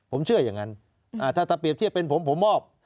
ผมเชื่ออย่างนั้นถ้าเปรียบเทียบเป็นผมผมมอบ